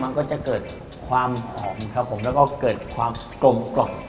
มันก็จะเกิดความหอมครับผมแล้วก็เกิดความกลมกล่อม